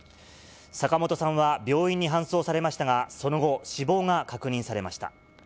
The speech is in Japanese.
坂本さんは病院に搬送されましたが、その後、死亡が確認されました。